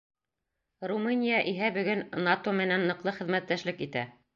Румыния иһә бөгөн НАТО менән ныҡлы хеҙмәттәшлек итә.